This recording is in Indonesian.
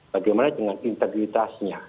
bagaimana dengan integritasnya